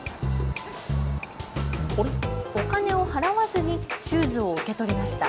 お金を払わずにシューズを受け取りました。